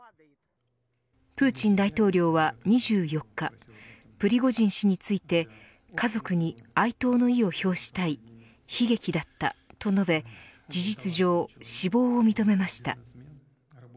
プーチン大統領は２４日プリゴジン氏について家族に哀悼の意を表したい悲劇だったと述べ事実上死亡を認めました。